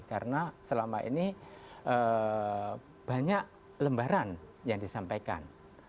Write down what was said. karena selama ini banyak lembaran yang disampaikan